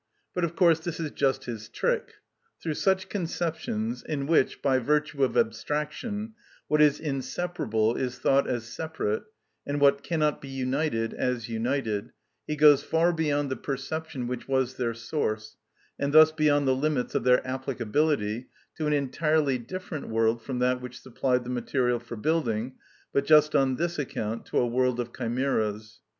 But of course this is just his trick. Through such conceptions, in which, by virtue of abstraction, what is inseparable is thought as separate, and what cannot be united as united, he goes far beyond the perception which was their source, and thus beyond the limits of their applicability, to an entirely different world from that which supplied the material for building, but just on this account to a world of chimeras.